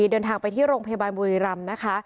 เดินทางไปที่โรงพยาบาลบุรีรำนะคะ